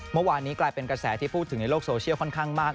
เมื่อวานนี้กลายเป็นกระแสที่พูดถึงในโลกโซเชียลค่อนข้างมาก